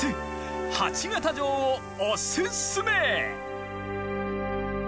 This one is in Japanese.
鉢形城をおすすめ！